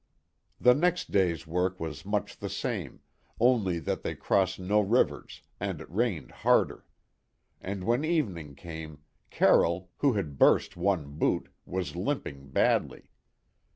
The next day's work was much the same, only that they crossed no rivers and it rained harder; and, when evening came, Carroll, who had burst one boot, was limping badly.